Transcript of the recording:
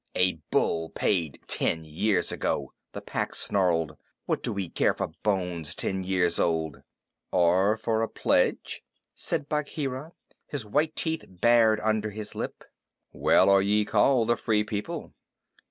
"A bull paid ten years ago!" the Pack snarled. "What do we care for bones ten years old?" "Or for a pledge?" said Bagheera, his white teeth bared under his lip. "Well are ye called the Free People!"